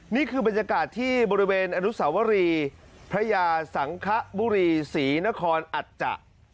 นี่คือบรรยากาศที่บริเวณอนุสาวรีพระยาสังขบุรีศรีนครอัจจะ